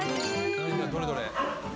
どれどれ？